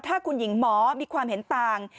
ถ้าคุณหญิงหมอมีความเห็นต่าง